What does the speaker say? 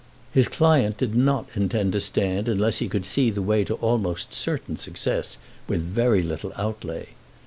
His client did not intend to stand unless he could see the way to almost certain success with very little outlay.